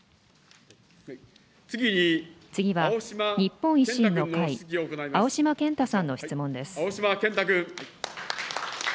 次は、日本維新の会、青島健太さんの質問です。